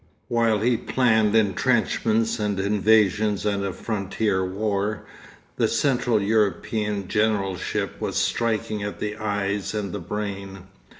While he planned entrenchments and invasions and a frontier war, the Central European generalship was striking at the eyes and the brain.